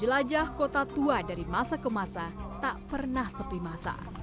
jelajah kota tua dari masa ke masa tak pernah sepi masa